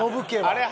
「あれ？